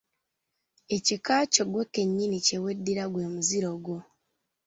Ekika kyo ggwe kennyini kye weddira gwe muziro gwo.